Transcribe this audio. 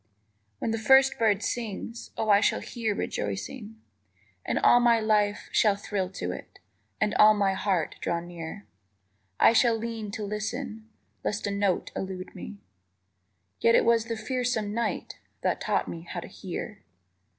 _ When the first bird sings, Oh, I shall hear rejoicing, And all my life shall thrill to it And all my heart draw near. I shall lean to listen Lest a note elude me, Yet it was the fearsome night _That taught me how to hear.